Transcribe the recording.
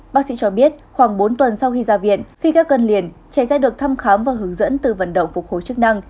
bác sĩ cho biết khoảng bốn tuần sau khi ra viện khi các cơn liền trẻ sẽ được thăm khám và hướng dẫn từ vận động phục hồi chức năng